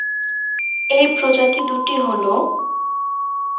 এই প্রজাতি দুটি হলও,